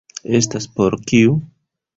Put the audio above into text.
Estas por kiu?